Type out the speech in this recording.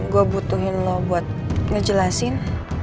gue butuhin lo buat ngejelasin